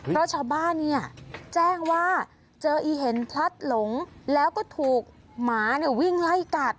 เพราะชาวบ้านเนี่ยแจ้งว่าเจออีเห็นพลัดหลงแล้วก็ถูกหมาวิ่งไล่กัด